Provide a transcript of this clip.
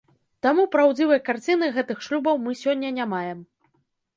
Таму праўдзівай карціны гэтых шлюбаў мы сёння не маем.